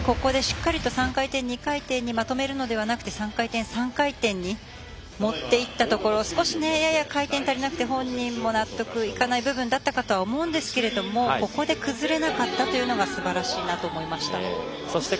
ここでしっかりと３回転、２回転にまとめるのではなく３回転、３回転に持っていったところ少し、やや回転が足りなくて本人も納得がいかなかったとは思いますがここで崩れなかったというのがすばらしいなと思いました。